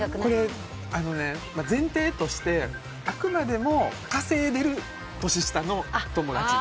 前提として、あくまでも稼いでる年下の友達。